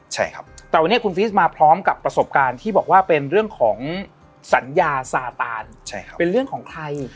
ใช่ครับแต่วันนี้คุณฟีสมาพร้อมกับประสบการณ์ที่บอกว่าเป็นเรื่องของสัญญาซาตานเป็นเรื่องของใคร